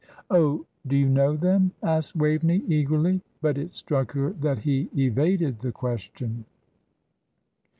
"Oh, do you know them?" asked Waveney, eagerly; but it struck her that he evaded the question.